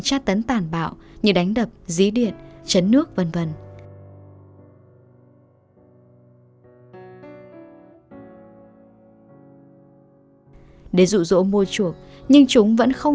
trát tấn tàn bạo như đánh đập dí điện chấn nước vân vân để dụ dỗ môi chuộc nhưng chúng vẫn không